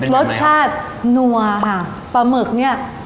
รสชาติหัวปะมึกเนี้ย